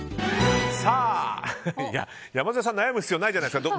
山添さん悩む必要ないじゃないですか。